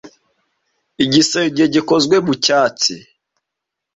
Igisenge gikozwe mu cyatsi.